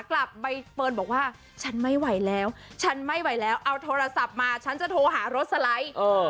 กลับใบเฟิร์นบอกว่าฉันไม่ไหวแล้วฉันไม่ไหวแล้วเอาโทรศัพท์มาฉันจะโทรหารถสไลด์